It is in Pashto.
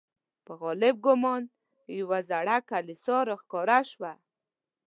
په غالب ګومان یوه زړه کلیسا را ښکاره شوه.